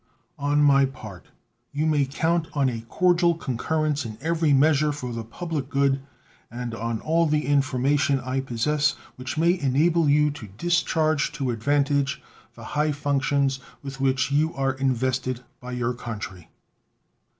On my part, you may count on a cordial concurrence in every measure for the public good and on all the information I possess which may enable you to discharge to advantage the high functions with which you are invested by your country.